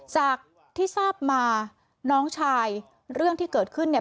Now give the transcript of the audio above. จากที่ทราบมาน้องชายเรื่องที่เกิดขึ้นเนี่ย